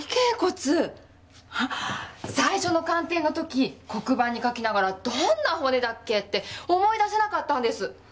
最初の鑑定の時黒板に書きながらどんな骨だっけ？って思い出せなかったんです。